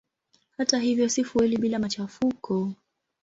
Hata hivyo si fueli bila machafuko.